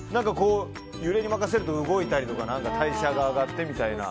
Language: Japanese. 揺れに任せると動いたりとか代謝が上がってみたいな。